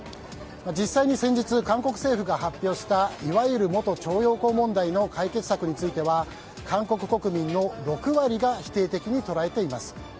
実際に先日、韓国政府が発表したいわゆる元徴用工問題の解決策については韓国国民の６割が否定的に捉えています。